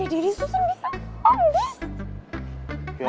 ada diri susann bisa